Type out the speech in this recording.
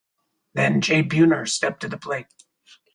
Then Jay Buhner stepped to the plate.